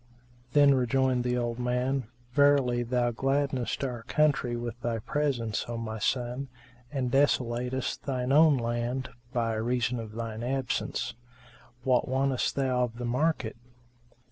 Then rejoined the old man, "Verily, thou gladdenest our country with thy presence, O my son, and thou desolatest shine own land by reason of shine absence. What wantest thou of the market?"